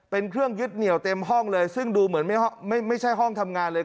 เป็นเครื่องยึดเหนียวเต็มห้องเลยซึ่งดูเหมือนไม่ใช่ห้องทำงานเลย